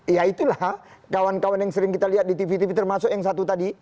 ya itulah kawan kawan yang sering kita lihat di tv tv termasuk yang satu tadi